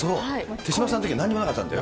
手嶋さんのときはなんにもなかったんだよ。